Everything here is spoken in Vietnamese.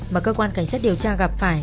mà cơ quan cảnh sát điều tra gặp phải